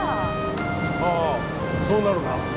ああそうなるな。